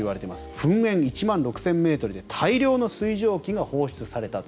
噴煙１万６０００ｍで大量の水蒸気が放出されたと。